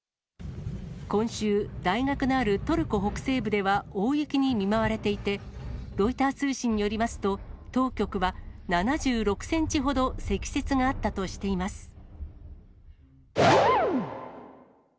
今週、大学のあるトルコ北西部では大雪に見舞われていて、ロイター通信によりますと、当局は、７６センチほど積雪があったとしています。